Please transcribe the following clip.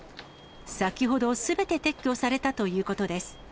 先ほど、すべて撤去されたということです。